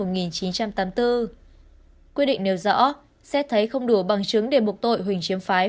quyết định nêu rõ xét thấy không đủ bằng chứng để buộc tội huỳnh chiếm phái